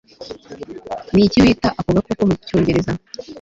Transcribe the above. niki wita ako gakoko mucyongereza